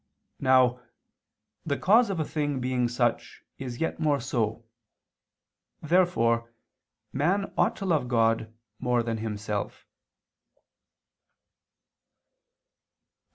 Now "the cause of a thing being such is yet more so." Therefore man ought to love God more than himself.